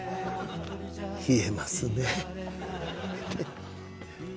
冷えますね。